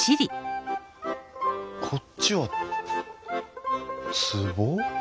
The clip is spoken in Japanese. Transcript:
こっちはつぼ？